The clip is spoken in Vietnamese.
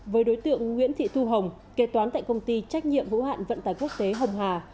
với đối tượng nguyễn thị thu hồng kế toán tại công ty trách nhiệm vũ hạn vận tải quốc tế hồng hà